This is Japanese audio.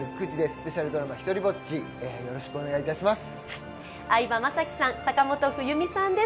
スペシャルドラマ「ひとりぼっち」、よろしくお願いします。